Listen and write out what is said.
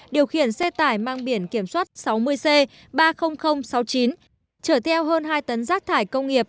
điều khiển xe tải mang biển kiểm soát sáu mươi c ba mươi nghìn sáu mươi chín trở theo hơn hai tấn rác thải công nghiệp